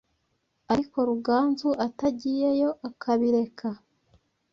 ariko Ruganzu atagiyeyo.akabireka